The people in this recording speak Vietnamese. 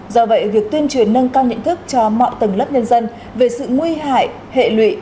do vậy việc tuyên truyền nâng cao nhận thức cho mọi tầng lớp nhân dân về sự nguy hại hệ lụy